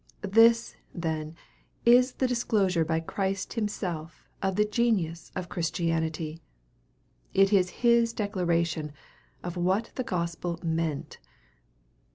This, then, is the disclosure by Christ himself of the genius of Christianity. It is his declaration of what the gospel meant.